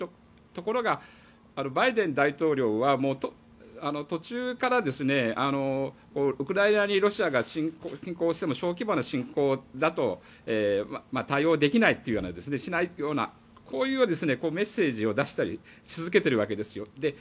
ところが、バイデン大統領は途中からウクライナにロシアが侵攻しても小規模な侵攻だと対応できないしないというようなこういうメッセージを出したりし続けているわけですよ。